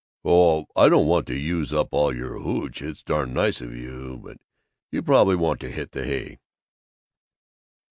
"Oh, I don't want to use up all your hootch. It's darn nice of you, but You probably want to hit the hay."